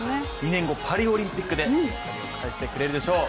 ２年後、パリオリンピックで借りを返してくれるでしょう。